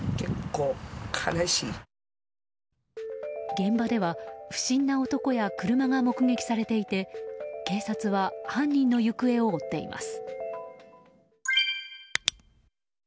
現場では不審な男や車が目撃されていて警察は犯人の行方を追っています。